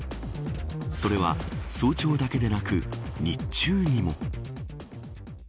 それは早朝だけでなく日中にも。